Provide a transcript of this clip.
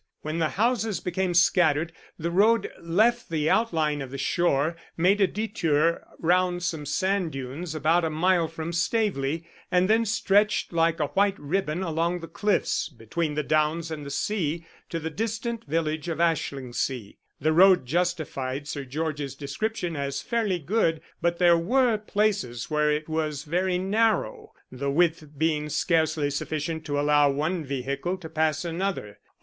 When the houses became scattered, the road left the outline of the shore, made a detour round some sand dunes about a mile from Staveley, and then stretched like a white ribbon along the cliffs, between the downs and the sea, to the distant village of Ashlingsea. The road justified Sir George's description as fairly good, but there were places where it was very narrow, the width being scarcely sufficient to allow one vehicle to pass another.